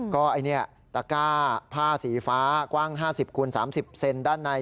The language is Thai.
ก็ตะก้าผ้าสีฟ้ากว้าง๕๐คูณ๓๐เซนด้านใน